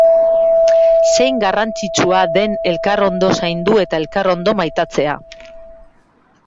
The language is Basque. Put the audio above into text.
Zein garrantzitsua den elkar ondo zaindu eta elkar ondo maitatzea